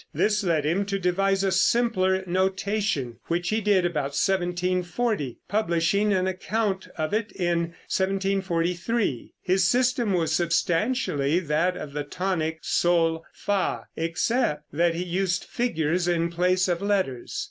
This led him to devise a simpler notation, which he did about 1740, publishing an account of it in 1743. His system was substantially that of the tonic sol fa, except that he used figures in place of letters.